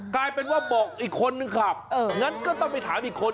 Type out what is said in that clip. กลายเป็นว่าบอกอีกคนนึงขับงั้นก็ต้องไปถามอีกคน